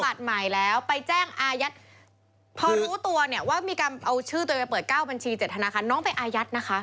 แล้วไปแจ้งอายัดพอรู้ตัวเนี่ยว่ามีการเอาชื่อตัวเองไปเปิด๙บัญชี๗ธนาคารน้องไปอายัดนะคะ